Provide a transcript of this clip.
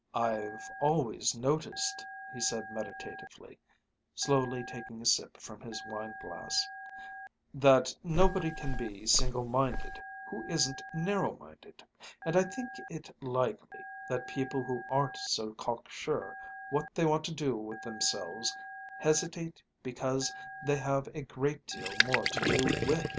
"I've always noticed," he said meditatively, slowly taking a sip from his wine glass, "that nobody can be single minded who isn't narrow minded; and I think it likely that people who aren't so cocksure what they want to do with themselves, hesitate because they have a great deal more to do with.